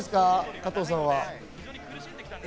加藤さん。